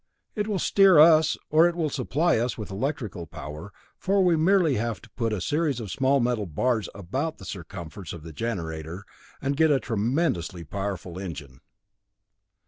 It will steer us or it will supply us with electrical power, for we merely have to put a series of small metal bars about the circumference of the generator, and get a tremendously powerful engine.